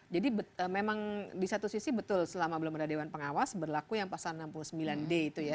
jadi memang di satu sisi betul selama belum ada dewan pengawas berlaku yang pasal enam puluh sembilan d itu ya